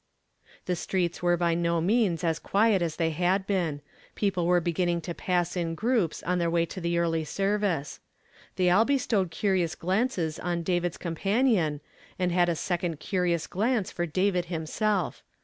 Tiie streets were by no means as quiet as they had been. People were begiiniing to pass in groups on their way to the early service. They all bestowed curious glances on David's companion, and liad a second curious glance for David himself.